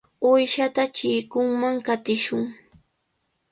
Uyshata chikunman qatishun.